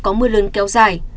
có mưa lớn kéo dài